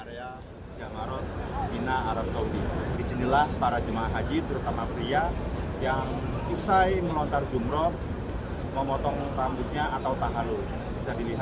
ini mungkin memfasilitasi para jemaah agar bisa mengenali tempat potong rambut ini